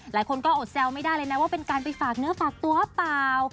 หลายคนก็อดแซวไม่ได้เลยนะว่าเป็นการไปฝากเนื้อฝากตัวหรือเปล่า